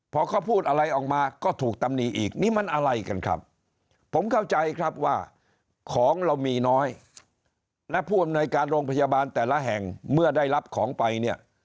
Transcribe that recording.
พอเขาพูดอะไรออกมาก็ถูกตำหนีอีกนี่มันอะไรกันครับผมเข้าใจครับว่าของเรามีน้อยและผู้อำนวยการโรงพยาบาลแต่ละแห่งเมื่อได้รับของไปเนี่ย